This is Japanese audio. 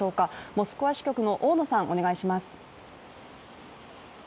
モスクワ支局の大野さん、お願いします。